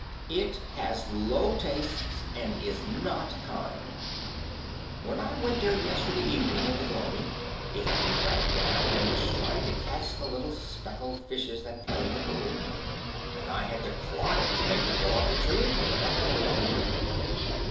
It has low tastes, and is not kind. When I went there yesterday evening in the gloaming it had crept down and was trying to catch the little speckled fishes that play in the pool, and I had to clod it to make it go up the tree again and let them alone.